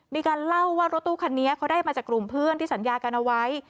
มีการเล่าว่ารถตู้คันนี้เขาได้มาจากกลุ่มเพื่อนที่สัญญากันเอาไว้